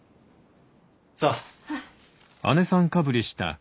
さあ。